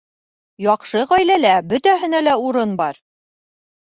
Яҡшы ғаиләлә бөтәһенә лә урын бар